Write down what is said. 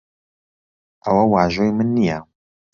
ئەوە واژووی من نییە.